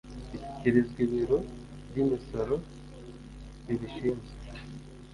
gushyikirizwa ibiro by'imisoro bibishinzwe